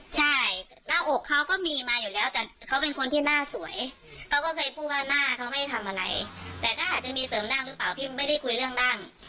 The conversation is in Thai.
ใช่หน้าอกเขาก็มีมาอยู่แล้วแต่เขาเป็นคนที่หน้าสวยเขาก็เคยพูดว่าหน้าเขาไม่ทำอะไรแต่ก็อาจจะมีเสริมด้านหรือเปล่าพี่ไม่ได้คุยเรื่องด้าน